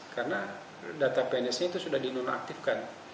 karena data pnsnya itu sudah dinonaktifkan